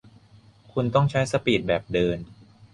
คุณต้องใช้สปีดแบบเดิน